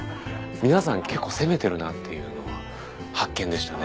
皆さん結構攻めてるなっていうのは発見でしたね。